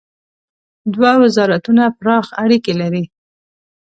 دوه وزارتونه پراخ اړیکي لري.